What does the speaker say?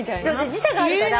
時差があるから。